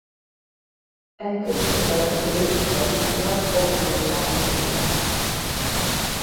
E község alatt lép a Zsitva Komárom vármegyébe.